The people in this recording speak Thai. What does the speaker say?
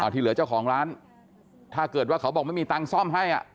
ที่เหลือเจ้าของร้านถ้าเกิดว่าเขาบอกไม่มีตังค์ซ่อมให้